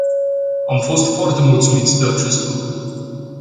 Am fost foarte mulțumiți de acest lucru.